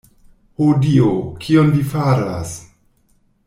Ho, Dio! kion vi faras!